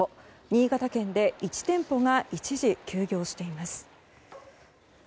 新潟県で１店舗が一時休業しています。